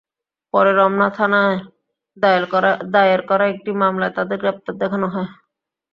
পরে রমনা থানায় দায়ের করা একটি মামলায় তাঁদের গ্রেপ্তার দেখানো হয়।